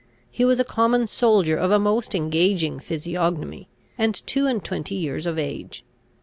He was a common soldier of a most engaging physiognomy, and two and twenty years of age.